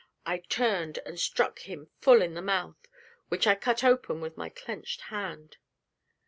I turned and struck him full in the mouth, which I cut open with my clenched hand.